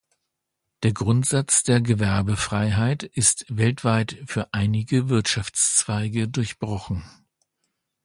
Der Grundsatz der Gewerbefreiheit ist weltweit für einige Wirtschaftszweige durchbrochen.